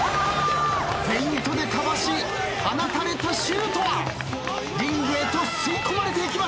フェイントでかわし放たれたシュートはリングへと吸い込まれていきました。